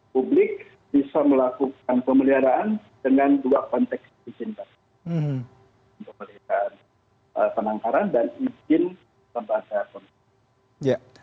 pemeliharaan penangkaran dan izin tumbuhan dan satwa liar